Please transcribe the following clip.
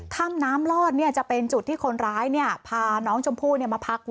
ถ้ำน้ำรอดเนี่ยจะเป็นจุดที่คนร้ายเนี่ยพาน้องจมพู่เนี่ยมาพักไว้